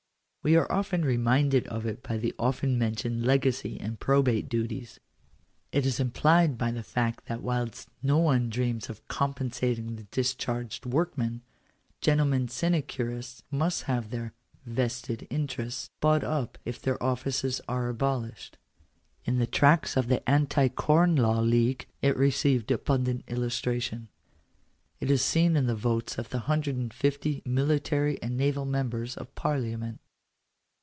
We are re minded of it by the often mentioned legacy and probate duties. It is implied by the fact that whilst no one dreams of com pensating the discharged workman, gentlemen sinecurists must have their "vested interests" bought up if their offices are abolished. In the tracts of the Anti Corn Law League it re ceived abundant illustration. It is seen in the votes of the hundred and fifty military and naval members of Parliament.